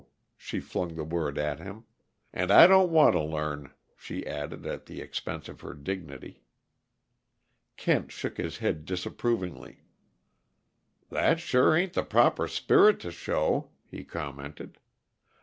she flung the word at him. "And I don't want to learn," she added, at the expense of her dignity. Kent shook his head disapprovingly. "That sure ain't the proper spirit to show," he commented.